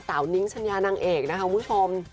นิ้งชัญญานางเอกนะคะคุณผู้ชม